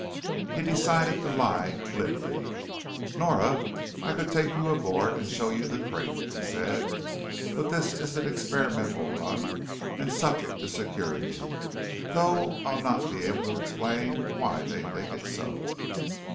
He decided to lie glibly. "Normally I could take you aboard and show you the crate," he said. "But this is an experimental run and subject to security, though I'll not be able to explain why they think it so."